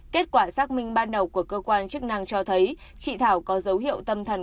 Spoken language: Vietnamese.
kết quả xác minh ban đầu của cơ quan chức năng cho thấy